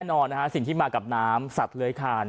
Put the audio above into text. แน่นอนนะฮะสิ่งที่มากับน้ำสัตว์เลื้อยคาน